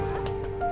setia pak bos